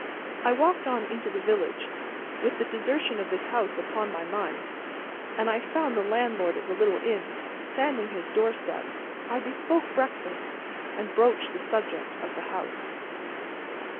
I walked on into the village, with the desertion of this house upon my mind, and I found the landlord of the little inn, sanding his door step. I bespoke breakfast, and broached the subject of the house.